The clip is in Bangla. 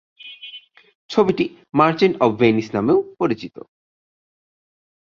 ছবিটি মার্চেন্ট অফ ভেনিস নামেও পরিচিত।